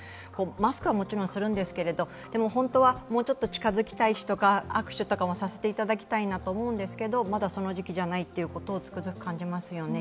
マスクはもちろんするんですけれど、本当はもうちょっと近付きたいしとか、握手とかもさせていただきたいと思うんですけれども、まだその時期じゃないということを、つくづく感じますよね。